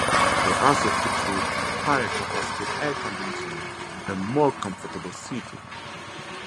They also featured higher capacity air conditioning and more comfortable seating.